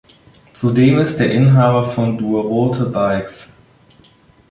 Zudem ist er Inhaber von "dueruote-bikes".